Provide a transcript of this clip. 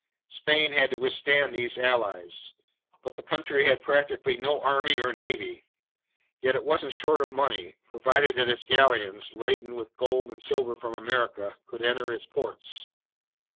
"Spain had to withstand these allies. But the country had practically no army or navy. Yet it wasn't short of money, provided that its galleons, laden with gold and silver from America, could enter its ports.